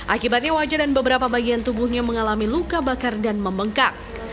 akibatnya wajah dan beberapa bagian tubuhnya mengalami luka bakar dan membengkak